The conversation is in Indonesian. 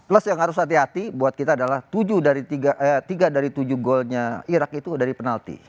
plus yang harus hati hati buat kita adalah tiga dari tujuh golnya irak itu dari penalti